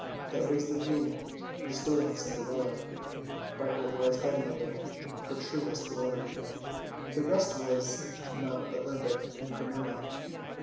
That was the boon bestowed on Cinderella By her wise Godmother her truest glory. The rest was "nought but leather and prunella."